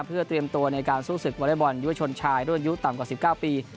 เพื่อเตรียมตัวในการสู้ศึกวอเล็กบอลยุวชนชายรุ่นอายุต่ำกว่า๑๙ปี